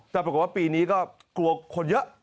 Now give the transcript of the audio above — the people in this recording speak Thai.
แต่ปรากฏว่าปีนี้ก็กลัวคนเยอะ